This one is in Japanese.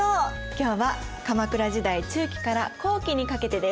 今日は鎌倉時代中期から後期にかけてです。